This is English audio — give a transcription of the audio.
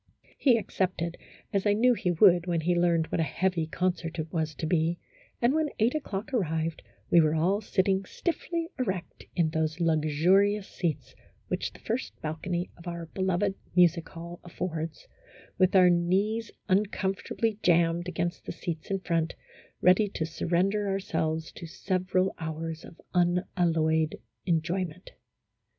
He accepted, as I knew he would when he learned what a heavy concert it was to be, and, when eight o'clock arrived, we were all sitting stiffly erect in those luxurious seats which the first balcony of our beloved Music Hall affords, with our knees uncom fortably jammed against the seats in front, ready to surrender ourselves to several hours of unalloyed enjoyment.